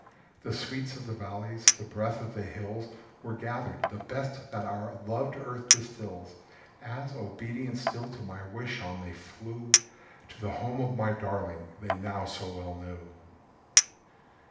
The sweets of the valleys, the breath of the hills Were gathered the best that our loved earth distills As, obedient still to my wish, on they flew To the home of my darling they now so well knew.